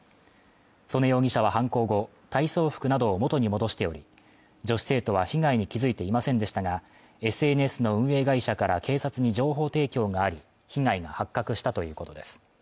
曽根容疑者は犯行後体操服などを元に戻しており女子生徒は被害に気づいていませんでしたがＳＮＳの運営会社から警察に情報提供があり被害が発覚したということです